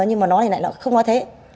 nhưng mà nói này lại nó không nói thế